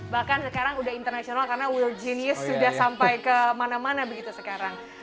dan sekarang udah internasional karena we're genius sudah sampai kemana mana begitu sekarang